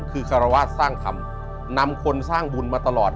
คือคารวาสสร้างธรรมนำคนสร้างบุญมาตลอด